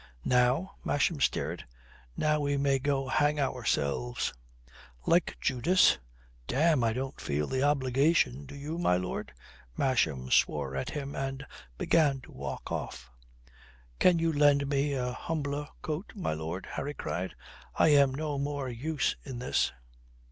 "Now?" Masham stared. "Now we may go hang ourselves." "Like Judas? Damme, I don't feel the obligation. Do you, my lord?" Masham swore at him and began to walk off. "Can you lend me a humbler coat, my lord?" Harry cried. "I am no more use in this."